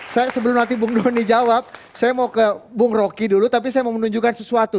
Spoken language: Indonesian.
saya sebelum nanti bung doni jawab saya mau ke bung roky dulu tapi saya mau menunjukkan sesuatu